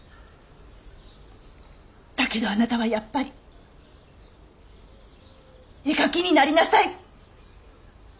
だけどあなたはやっぱり絵描きになりなさい！